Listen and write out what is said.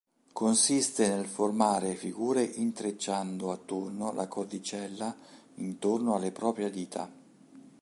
Consiste nel formare figure intrecciando a turno la cordicella intorno alle proprie dita.